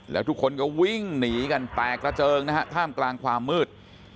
แล้วทุกคนก็วิ่งหนีกันแตกระเจิงนะฮะท่ามกลางความมืด